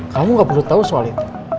kamu gak perlu tahu soal itu